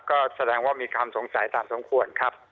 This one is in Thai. ก็แสดงว่ามีความสงสัยตามสมควรครับ